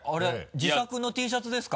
自作のＴシャツですか？